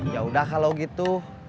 yaudah kalau gitu